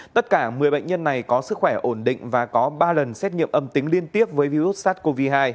tất cả một mươi bệnh nhân này có sức khỏe ổn định và có ba lần xét nghiệm âm tính liên tiếp với virus sars cov hai